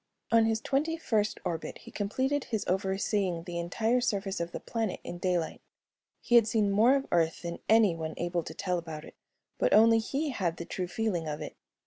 On his twenty first orbit he completed his overseeing the entire surface of the planet in daylight. He had seen more of Earth than anyone able to tell about it, but only he had the true feeling of it.